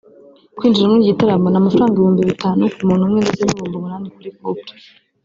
Kwinjira muri iki gitaramo ni amafaranga ibihumbi bitanu ku muntu umwe ndetse n’ibihumbi umunani kuri couple